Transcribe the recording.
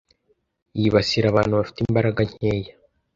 yibasira abantu bafite imbaraga nkeya